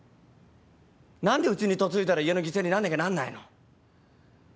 何でうちに嫁いだら家の犠牲になんなきゃなんないの？